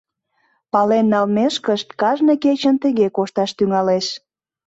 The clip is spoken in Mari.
Пален налмешкышт, кажне кечын тыге кошташ тӱҥалеш.